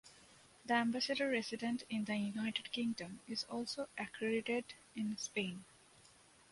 The Ambassador resident in the United Kingdom is also accredited in Spain.